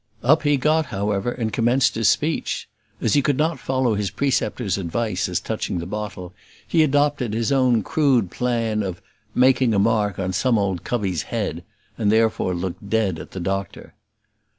Up he got, however, and commenced his speech. As he could not follow his preceptor's advice as touching the bottle, he adopted his own crude plan of "making a mark on some old covey's head," and therefore looked dead at the doctor.